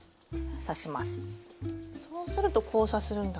そうすると交差するんだ。